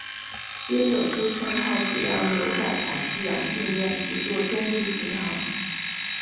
接着顾盛号主要留在大西洋训练及作中立巡航。